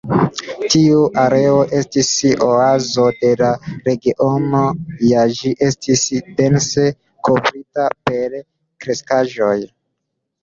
Tiu areo estis oazo de la regiono, ja ĝi estis dense kovrita per kreskaĵoj.